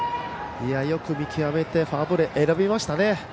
よく見極めてフォアボールを選びましたね。